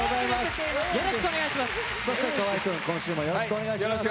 よろしくお願いします。